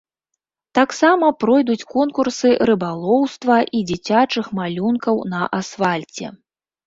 Таксама пройдуць конкурсы рыбалоўства і дзіцячых малюнкаў на асфальце.